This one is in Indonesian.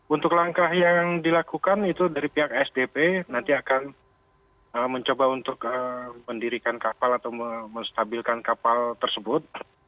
untuk langkah yang dilakukan itu dari pihak sdp nanti akan mencoba untuk mendirikan kapal atau menstabilkan kapal tersebut